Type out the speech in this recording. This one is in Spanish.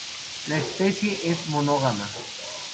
La especie es monógama.